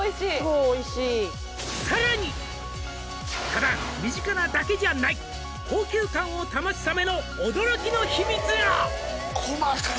「ただ身近なだけじゃない」「高級感を保つための驚きの秘密が」